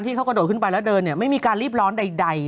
ที่เขากระโดดขึ้นไปแล้วเดินเนี่ยไม่มีการรีบร้อนใด